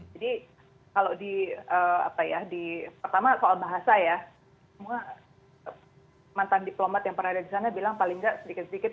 jadi kalau di pertama soal bahasa ya semua mantan diplomat yang pernah ada di sana bilang paling nggak sedikit sedikit